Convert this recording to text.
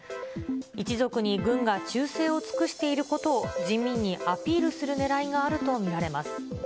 一族に軍が忠誠を尽くしていることを人民にアピールするねらいがあると見られます。